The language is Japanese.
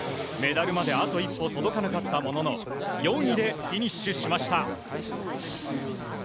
メダルまであと一歩届かなかったものの、４位でフィニッシュしました。